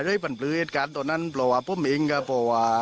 เรื่อยปันปลื้อเอ็ดการณ์ตัวนั้นประวัติผมเองก็บอกว่า